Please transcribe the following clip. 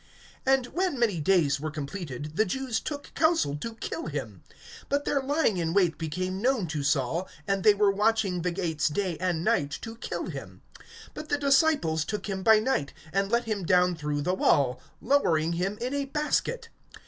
(23)And when many days were completed, the Jews took counsel to kill him. (24)But their lying in wait became known to Saul. And they were watching the gates day and night to kill him. (25)But the disciples took him by night, and let him down through the wall, lowering him in a basket.